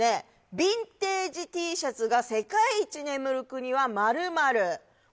ヴィンテージＴシャツが世界一眠る国は○